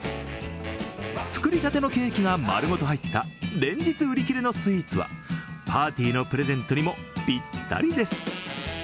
作りたてのケーキが丸ごと入った連日売り切れのスイーツはパーティーのプレゼントにもぴったりです。